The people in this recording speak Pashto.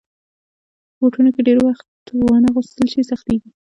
بوټونه که ډېر وخته وانهغوستل شي، سختېږي.